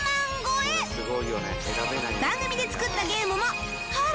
番組で作ったゲームもほら！